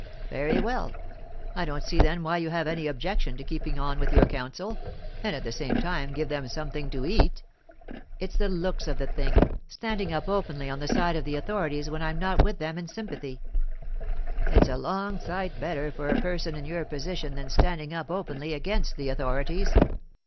'Very well; I don't see then why you have any objection to keeping on with your counsel, and at the same time give them something to eat.' 'It's the looks of the thing—standing up openly on the side of the authorities when I'm not with them in sympathy.' 'It's a long sight better for a person in your position than standing up openly against the authorities.